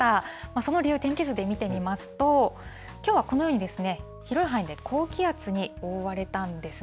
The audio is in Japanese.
その理由、天気図で見てみますと、きょうはこのように広い範囲で高気圧に覆われたんですね。